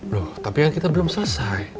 loh tapi kan kita belum selesai